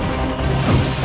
bisa berada di tangan prasih